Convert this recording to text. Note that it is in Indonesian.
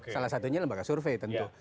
salah satunya lembaga survei tentu